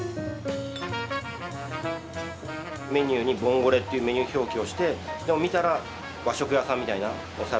メニューにボンゴレというメニュー表記をしてでも見たら和食屋さんみたいなお皿が出てくる。